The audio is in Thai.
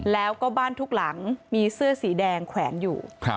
แล้วก็บ้านทุกหลังมีเสื้อสีแดงแขวนอยู่